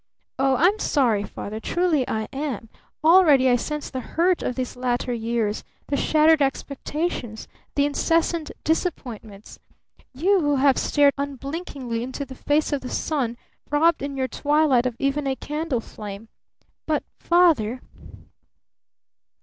Oh, I'm sorry, Father! Truly I am! Already I sense the hurt of these latter years the shattered expectations, the incessant disappointments! You who have stared unblinkingly into the face of the sun, robbed in your twilight of even a candle flame. But, Father?"